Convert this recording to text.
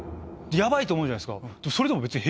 ヤバいと思うじゃないですか。